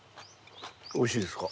おいしいですか？